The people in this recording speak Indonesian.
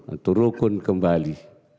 atau rukun kembali